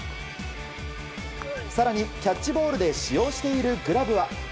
更にキャッチボールで使用しているグラブは。